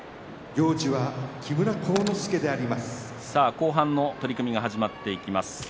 後半の取組が始まっていきます。